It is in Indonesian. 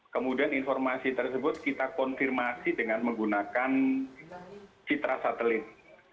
kemudian informasi tersebut kita konfirmasi dengan menggunakan citra satelit